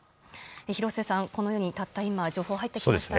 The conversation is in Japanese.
廣瀬さん、このようにたった今情報が入ってきました。